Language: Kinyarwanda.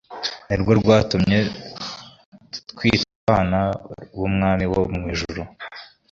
Ni rwo rwatumye twitwabana bUmwami wo mw ijuru